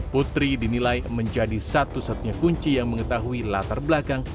putri dinilai menjadi satu satunya kunci yang mengetahui latar belakang